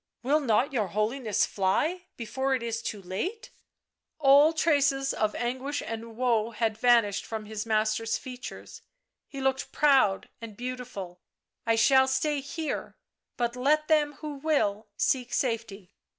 1 •" Will not your Holiness fly, before it is too late V' All traces of anguish and woe had vanished from his master's features; he looked proud and beautiful. " I shall stay here; but let them who will, seek safety."